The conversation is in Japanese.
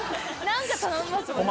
［何か頼みますもね］